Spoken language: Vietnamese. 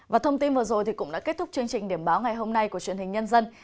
và thông tin vừa rồi cũng đã kết thúc chương trình điểm báo ngày hôm nay của truyền hình nhân dân